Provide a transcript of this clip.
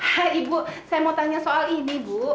hai ibu saya mau tanya soal ini bu